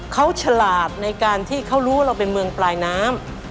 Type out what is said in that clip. เขาฉลาดในการที่เขารู้ว่าเราเป็นเมืองปลายน้ำ